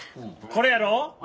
これやろ？